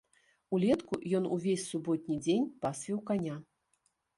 Улетку ён увесь суботні дзень пасвіў каня.